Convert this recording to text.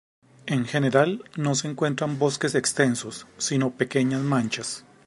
En general no se encuentran bosques extensos, sino pequeñas manchas.